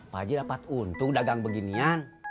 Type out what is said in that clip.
pak haji dapat untung dagang beginian